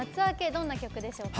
どんな曲でしょうか？